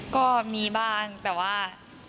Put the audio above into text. ก็มีบ้างแต่ว่า